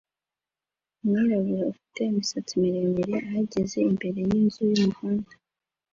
Umwirabura ufite imisatsi miremire ahagaze imbere yinzu yumuhanda